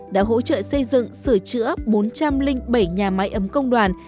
đã hỗ trợ xây dựng sửa chữa bốn trăm linh bảy nhà máy ấm công đoàn